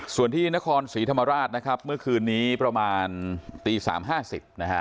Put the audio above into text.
ส่วนที่นครสีธรรมราชนะครับเมื่อคืนนี้ประมาณตี๓๕๐นะฮะ